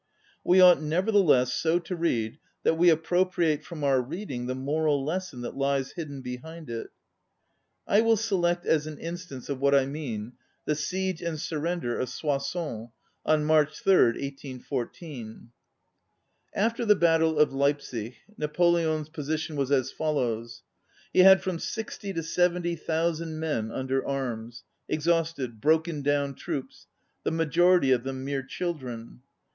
We ought nevertheless so to read that we appropriate from our reading the moral lesson that lies hidden behind it. I will select as an instance of what 44┬½ ON READING I mean, the siege and surrender of Soissons, on March 3, 1814. After the battle of Leipzig, Na poleon's position was as follows: He had from sixty to seventy thou sand men under arms, ŌĆö exhausted, broken down troops, the majority of them mere children.